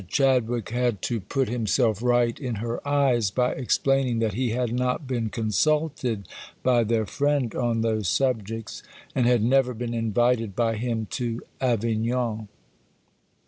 Chadwick had to put himself right in her eyes by explaining that he had not been consulted by their friend on those subjects and had never been invited by him to Avignon.